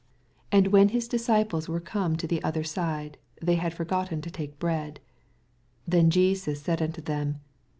5 And when his disciples were come to the other side, they had foigotten to take bread. 6 Then Jesus said unto them.